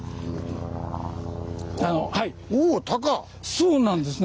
そうなんですね。